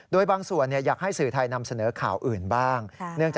โดยบางส่วนอยากให้สื่อไทยนำเสนอข่าวอื่นบ้าง